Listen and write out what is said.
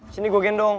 sini gue gendong